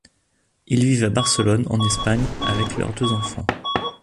Ils vivent à Barcelone en Espagne avec leurs deux enfants.